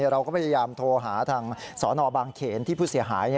เราก็พยายามโทรหาทางสนบางเขนที่ผู้เสียหาย